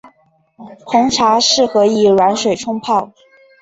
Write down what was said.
红茶适合以软水冲泡。